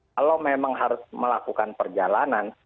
kalau memang harus melakukan perjalanan